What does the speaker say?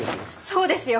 そうですよ！